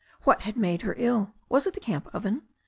What made her ill — ^was it the camp oven?